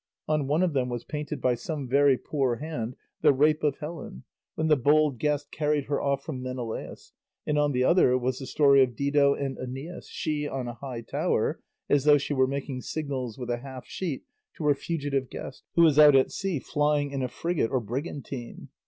On one of them was painted by some very poor hand the Rape of Helen, when the bold guest carried her off from Menelaus, and on the other was the story of Dido and Æneas, she on a high tower, as though she were making signals with a half sheet to her fugitive guest who was out at sea flying in a frigate or brigantine.